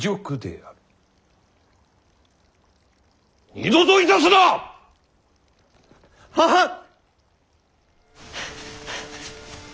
二度といたすな！ははっ！